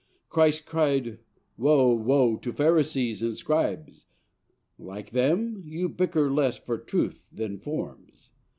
Christ cried: Woe, woe, to Pharisees and Scribes! Like them, you bicker less for truth than forms.